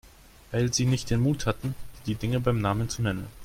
Weil Sie nicht den Mut hatten, die Dinge beim Namen zu nennen.